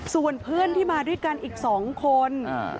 ส่วนเพื่อนที่มาด้วยกันอีก๒คน